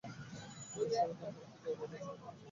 তিনি সুরেন্দ্রকে যুবরাজ বানিয়েছিলেন।